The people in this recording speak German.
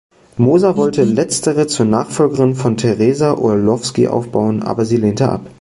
Moser wollte letztere zur Nachfolgerin von Teresa Orlowski aufbauen, aber sie lehnte ab.